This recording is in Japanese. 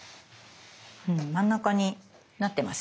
真ん中になってます。